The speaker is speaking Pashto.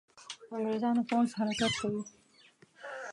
انګرېزانو پوځ حرکت کوي.